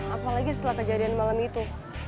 apalagi setelah kejadian malam itu